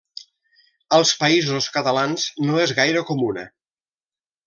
Als Països Catalans no és gaire comuna.